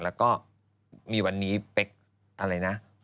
แล้วก็มีวันนี้เป๊กอะไรนะ